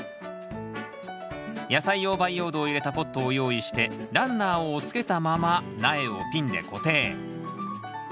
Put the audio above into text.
野菜用培養土を入れたポットを用意してランナーをつけたまま苗をピンで固定。